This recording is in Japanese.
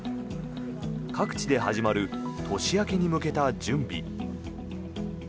各地で始まる年明けに向けた準備。